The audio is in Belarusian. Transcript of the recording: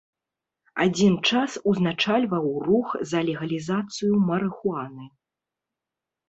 Адзін час узначальваў рух за легалізацыю марыхуаны.